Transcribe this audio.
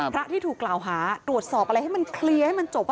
พระที่ถูกกล่าวหาตรวจสอบอะไรให้มันเคลียร์ให้มันจบ